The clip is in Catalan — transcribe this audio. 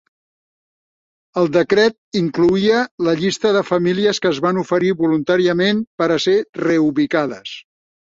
El decret incloïa la llista de famílies que es van oferir voluntàriament per a ser reubicades.